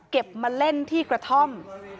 มาเล่นที่กระท่อม